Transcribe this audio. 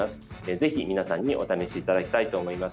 ぜひ、皆さんにお試しいただきたいと思います。